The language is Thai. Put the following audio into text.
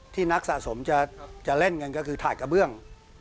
นักสะสมจะเล่นกันก็คือถาดกระเบื้อง